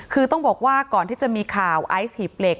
คือต้องบอกว่าก่อนที่จะมีข่าวไอซ์หีบเหล็ก